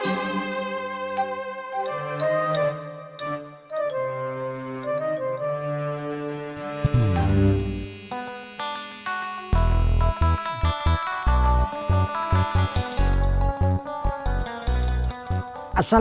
neng kamu mau berubah